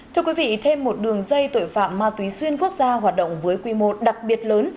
thưa quý vị thêm một đường dây tội phạm ma túy xuyên quốc gia hoạt động với quy mô đặc biệt lớn